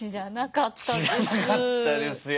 知らなかったですよ